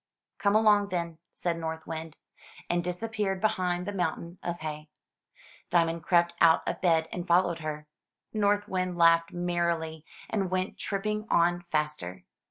"Come along, then," said North Wind, and disappeared behind the mountain of hay. Diamond crept out of bed and followed her. North Wind laughed merrily, and went tripping on faster.